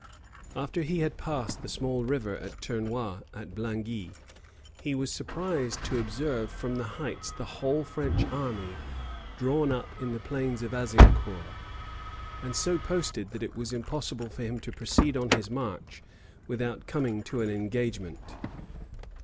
After he had passed the small river of Ternois at Blangi, he was surprised to observe from the heights the whole French army drawn up in the plains of Azincour, and so posted that it was impossible for him to proceed on his march without coming to an engagement.